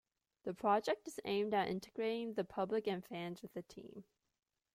The project is aimed at integrating the public and fans with the team.